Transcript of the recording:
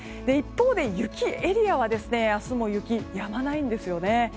一方で、雪エリアは明日も雪がやまないんですね。